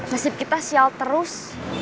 nasib kita sial terus